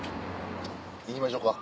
行きましょか。